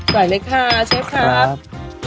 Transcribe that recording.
ใส่เลยค่ะเชฟครับ